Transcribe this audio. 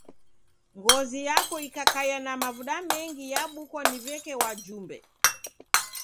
Ngozi yako ikakaia na mavuda mengi yabukwa ni w'eke wajumbe.